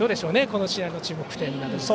この試合の注目点などは。